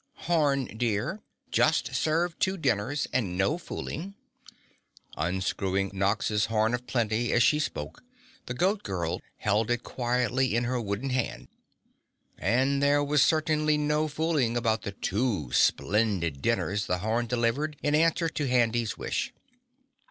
"Horn, dear, just serve two dinners, and no fooling." Unscrewing Nox's horn of plenty as she spoke, the Goat Girl held it quietly in her wooden hand. And there was certainly no fooling about the two splendid dinners the horn delivered in answer to Handy's wish.